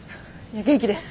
元気です。